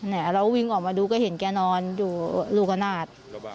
แล้ววิ่งออกมาดูก็เห็นแกนอนดูรูขนาด